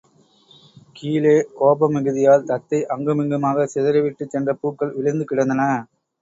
கீழே கோப மிகுதியால் தத்தை அங்குமிங்குமாகச் சிதறிவிட்டுச் சென்ற பூக்கள் விழுந்து கிடந்தன.